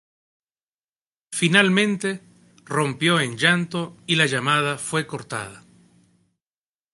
Finalmente, rompió en llanto y la llamada fue cortada.